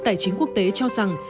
tài chính quốc tế cho rằng